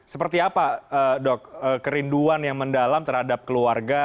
seperti apa dok kerinduan yang mendalam terhadap keluarga